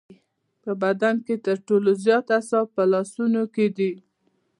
په بدن کې تر ټولو زیات اعصاب په لاسونو کې دي.